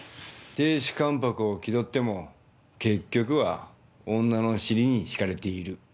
亭主関白を気取っても結局は女の尻に敷かれている。